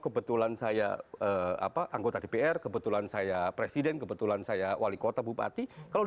kebetulan saya apa anggota dpr kebetulan saya presiden kebetulan saya wali kota bupati kalau